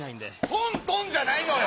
トントンじゃないのよ！